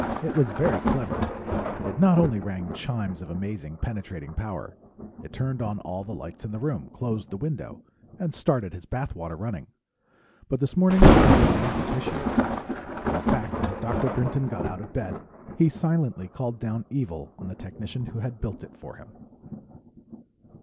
It was very clever; it not only rang chimes of amazing penetrating power, it turned on all the lights in the room, closed the window, and started his bath water running. But this morning it was not appreciated. In fact, as Dr. Brinton got out of bed, he silently called down evil on the technician who had built it for him.